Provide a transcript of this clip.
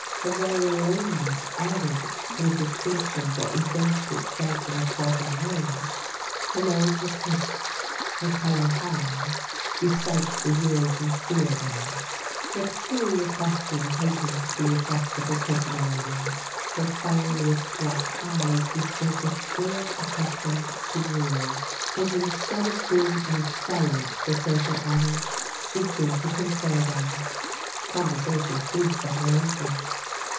Her very lameness added to a distinction that evinced itself in a dozen ways. Her nose was hooked, her colour high, despite the years in Steelville, her peculiar costume heightened the effect of her personality; her fire lit black eyes bespoke a spirit accustomed to rule, and instead of being an aspirant for social honours, she seemed to confer them. Conversation ceased at her entrance.